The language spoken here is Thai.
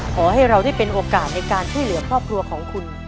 ขอให้เราได้เป็นโอกาสในการช่วยเหลือครอบครัวของคุณ